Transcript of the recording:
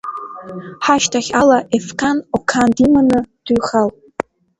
Ҳашьҭахь ала, Ефқан Оқан диманы дҩхалт.